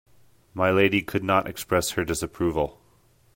My lady could not express her disapproval.